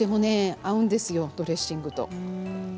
とても合うんですよドレッシングと。